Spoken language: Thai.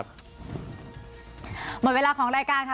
หมดเวลาของรายการค่ะ